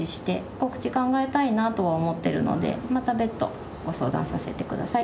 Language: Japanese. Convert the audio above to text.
告知考えたいなとは思ってるのでまた別途ご相談させてください。